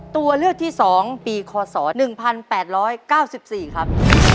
ตัวเลือกที่สองปีคอสอร์สหนึ่งพันแปดร้อยเก้าสิบสี่ครับ